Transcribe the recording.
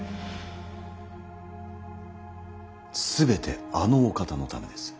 全てあのお方のためです。